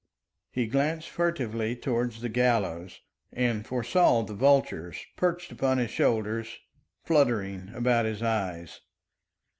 He glanced furtively towards the gallows, and foresaw the vultures perched upon his shoulders, fluttering about his eyes.